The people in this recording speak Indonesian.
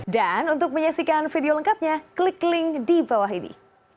dan untuk menyaksikan video lengkapnya klik link di bawah ini